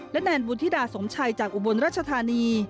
และแนนบุธิดาสมชัยจากอุบลรัชธานี